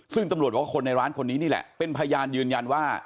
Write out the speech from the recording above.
ซึ่งตำรวจบอกว่าคนในร้านคนนี้นี่แหละเป็นพยานยืนยันว่า